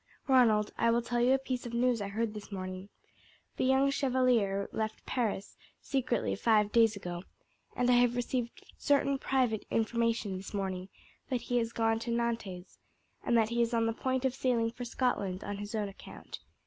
"Ronald, I will tell you a piece of news I heard this morning. The young Chevalier left Paris secretly five days ago, and I have received certain private information this morning that he has gone to Nantes, and that he is on the point of sailing for Scotland on his own account.